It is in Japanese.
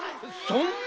そんな！